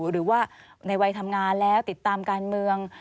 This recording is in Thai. หรือว่าในวัยทำงานแล้วติดตามการเมือง